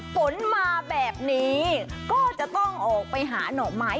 ฝนมาแบบนี้ก็จะต้องออกไปหาหน่อไม้